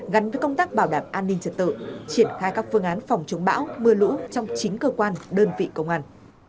gắn với công tác bảo đảm an ninh trật tự triển khai các phương án phòng chống bão mưa lũ trong chính cơ quan đơn vị công an